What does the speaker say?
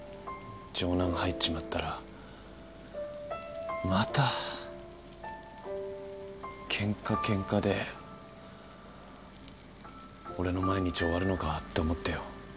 城南入っちまったらまたケンカケンカで俺の毎日終わるのかって思ってよ。